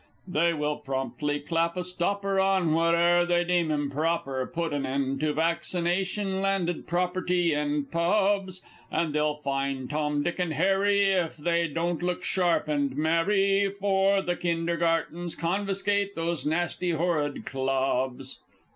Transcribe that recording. They will promptly clap a stopper on whate'er they deem improper, Put an end to vaccination, landed property, and pubs; And they'll fine Tom, Dick, and Harry, if they don't look sharp and marry, And for Kindergartens confiscate those nasty horrid Clubs!